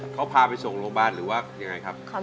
เขาพาไปส่งโรงพยาบาลหรือว่ายังไงครับ